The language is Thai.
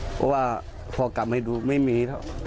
เพราะว่าพอกลับมาดูไม่มีเท่า